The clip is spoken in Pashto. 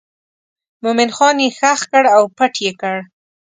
مومن خان یې ښخ کړ او پټ یې کړ.